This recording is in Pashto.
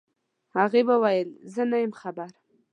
هغې وويل زه نه يم خبر.